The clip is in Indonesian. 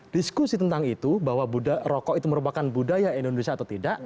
diskusi tentang itu bahwa rokok itu merupakan budaya indonesia atau tidak